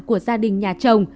của gia đình nhà chồng